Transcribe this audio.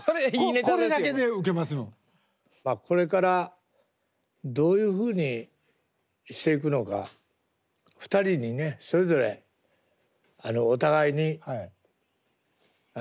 まあこれからどういうふうにしていくのか２人にねそれぞれお互いにあのメッセージをね。